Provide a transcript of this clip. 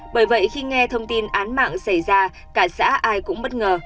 bởi vậy khi nghe thông tin án mạng xảy ra cả xã ai cũng bất ngờ